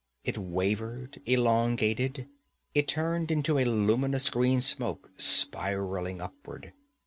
It wavered, elongated; it turned into a luminous greensmoke spiraling upward.